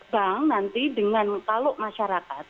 bank nanti dengan kalau masyarakat